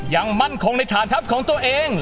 ยังมั่นคงในฐานทัพของตัวเอง